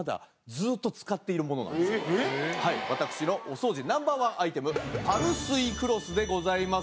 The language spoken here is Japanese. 私のお掃除ナンバー１アイテムパルスイクロスでございます。